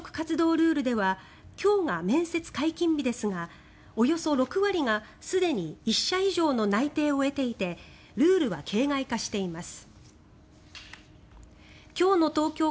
ルールでは今日が面接解禁日ですがおよそ６割がすでに１社以上の内定を得ていてルールは形がい化しています。